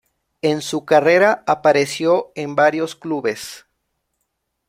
En su carrera apareció en varios clubes.